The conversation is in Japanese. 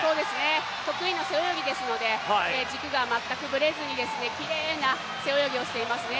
得意の背泳ぎですので軸が全くブレずに、きれいな背泳ぎをしていますね。